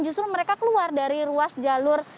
justru mereka keluar dari ruas jalur